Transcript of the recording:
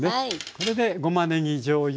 これでごまねぎじょうゆ